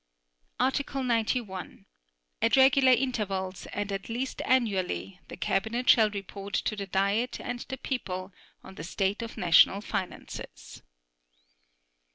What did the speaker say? Article 91. At regular intervals and at least annually the Cabinet shall report to the Diet and the people on the state of national finances.